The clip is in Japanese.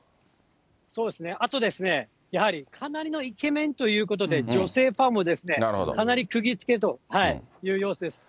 あとですね、やはりかなりのイケメンということで、女性ファンもかなりくぎづけという様子です。